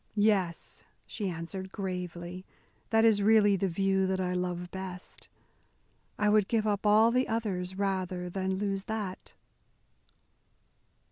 "Yes," she answered gravely, "that is really the view that I love best. I would give up all the others rather than lose that."